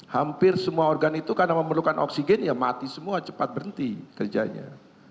hampir semua organ itu karena memerlukan oksigen ya mati semua cepat berhenti kerjanya